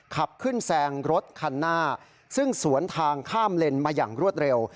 ขับขึ้นแซงรถคันหน้าซึ่งสวนทางข้ามเลนมาอย่างรวดเร็ว